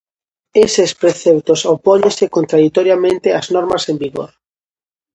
Eses preceptos opóñense contraditoriamente ás normas en vigor.